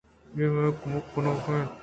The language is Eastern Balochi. اے مئے کمک کنوک اِنت